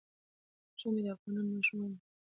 ژمی د افغان ماشومانو د زده کړې موضوع ده.